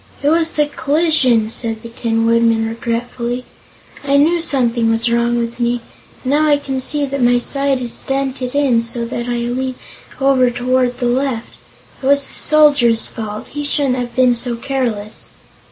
"It was the collision," said the Tin Woodman regretfully. "I knew something was wrong with me, and now I can see that my side is dented in so that I lean over toward the left. It was the Soldier's fault; he shouldn't have been so careless."